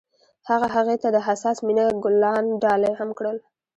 هغه هغې ته د حساس مینه ګلان ډالۍ هم کړل.